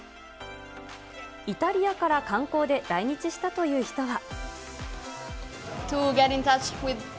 イタリアから観光で来日したという人は。